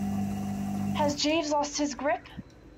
Has Jeeves lost his grip?